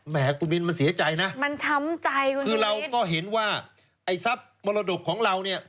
แหมคุณวินมันเสียใจนะคือเราก็เห็นว่าไอ้ทรัพย์มรดกของเรา